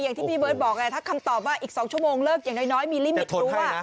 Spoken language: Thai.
อย่างที่พี่เบิร์ตบอกไงถ้าคำตอบว่าอีก๒ชั่วโมงเลิกอย่างน้อยมีลิมิตรู้